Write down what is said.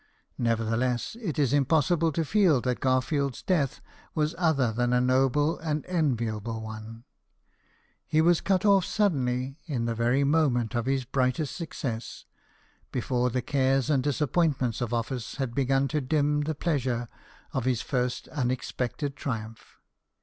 Never theless, it is impossible to feel that Garfield's death was other than a noble and enviable one. He \vas cut off suddenly in the very moment of his brightest success, before the cares and dis appointments of office had begun to dim the pleasure of his first unexpected triumph.